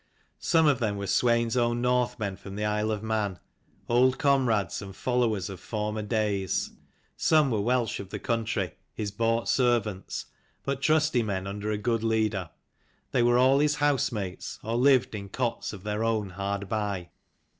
Some of them were Swein's own Northmen from the Isle of Man, old comrades and followers of former days: some were Welsh of the country, his bought servants ; but trusty men under a good leader. They were all his house mates, or lived in cots of their own hard by.